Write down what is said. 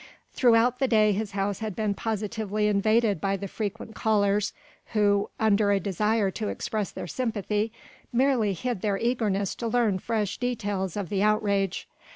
Throughout the day his house had been positively invaded by the frequent callers who, under a desire to express their sympathy, merely hid their eagerness to learn fresh details of the outrage.